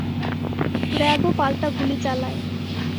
র্যাবও পাল্টা গুলি চালায়।